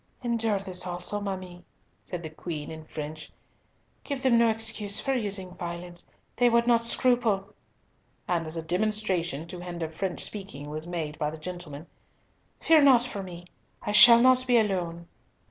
"Endure this also, ma mie," said the Queen, in French. "Give them no excuse for using violence. They would not scruple—" and as a demonstration to hinder French speaking was made by the gentlemen, "Fear not for me, I shall not be alone."